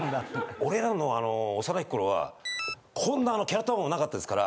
俺らの幼き頃はこんなキャロットタワーもなかったですから。